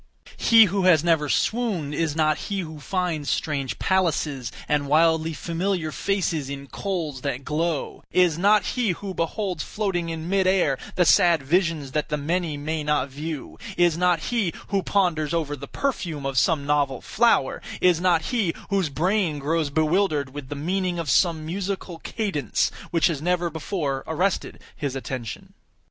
He who has never swooned, is not he who finds strange palaces and wildly familiar faces in coals that glow; is not he who beholds floating in mid air the sad visions that the many may not view; is not he who ponders over the perfume of some novel flower; is not he whose brain grows bewildered with the meaning of some musical cadence which has never before arrested his attention.